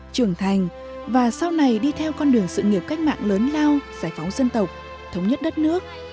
trưởng thành và sau này đi theo con đường sự nghiệp cách mạng lớn lao giải phóng dân tộc thống nhất đất nước